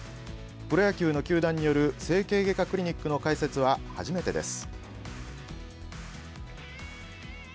プロ野球の球団による整形外科クリニックの開設は初めてです。